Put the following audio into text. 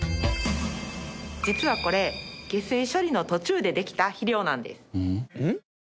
実はこれ下水処理の途中でできた肥料なんです。